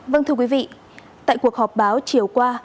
vâng thưa quý vị tại cuộc họp báo chiều qua